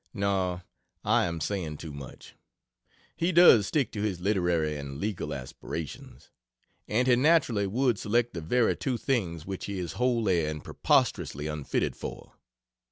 No, I am saying too much he does stick to his literary and legal aspirations; and he naturally would select the very two things which he is wholly and preposterously unfitted for.